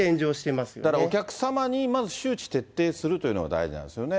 お客様にまず周知徹底するというのが大事なんですよね。